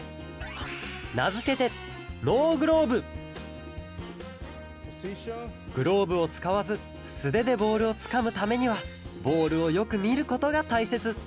なづけてグローブをつかわずすででボールをつかむためにはボールをよくみることがたいせつ。